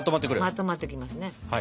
まとまってきますね。